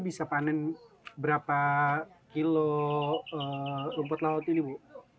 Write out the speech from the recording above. bisa panen berapa kilo rumput laut ini bu